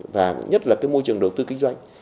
và nhất là cái môi trường đầu tư kinh doanh